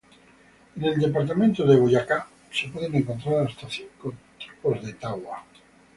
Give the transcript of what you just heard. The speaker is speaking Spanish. En el departamento de Boyacá se pueden encontrar hasta cinco tipos de tagua.